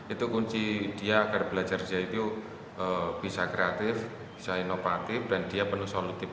itu kunci dia agar belajar dia itu bisa kreatif bisa inovatif dan dia penuh solutif